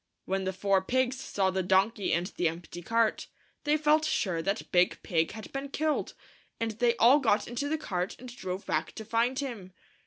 When the four pigs saw the donkey and the empty cart, they felt sure that Big Pig had been killed, and they all got into the cart and drove back to find him.